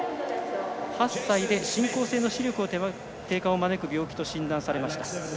８歳で進行性の視力の低下を招くと診断されました。